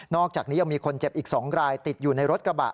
อกจากนี้ยังมีคนเจ็บอีก๒รายติดอยู่ในรถกระบะ